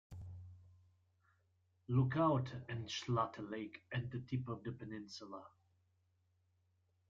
Lookout, and Schlatter Lake at the tip of the peninsula.